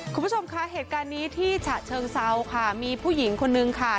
คุณผู้ชมคะเหตุการณ์นี้ที่ฉะเชิงเซาค่ะมีผู้หญิงคนนึงค่ะ